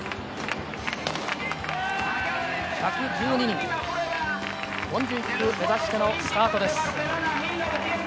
１１２人モンジュイック目指してのスタートです。